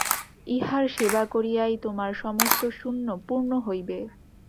ইঁহার সেবা করিয়াই তোমার সমস্ত শূন্য পূর্ণ হইবে।